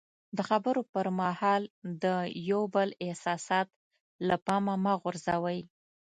د خبرو پر مهال د یو بل احساسات له پامه مه غورځوئ.